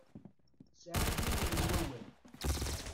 Sɛiɣ yiwen n wawal.